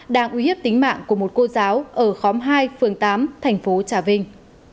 đang uy hiếp tính mạng của một cô giáo ở khóm hai phường tám thành phố trà vinh